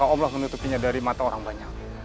allah menutupinya dari mata orang banyak